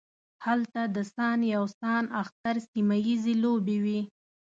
هلته د سان یو سان اختر سیمه ییزې لوبې وې.